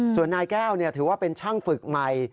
ส่วนนายแก้วถือว่าเป็นช่างฝึกใหม่